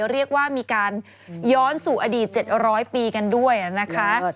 เรียกว่ามีการย้อนสู่อดีต๗๐๐ปีกันด้วยนะคะ